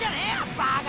バカ！